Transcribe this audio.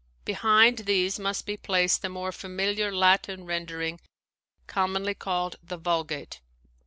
Behind these must be placed the more familiar Latin rendering, commonly called the Vulgate.'